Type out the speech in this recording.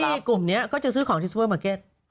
กลุ่มนี้ก็จะซื้อของที่ซูเปอร์มาร์เก็ต